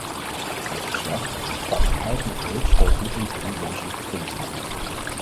Dit verslag pakt eigenlijk heel schoorvoetend drie wezenlijke punten aan.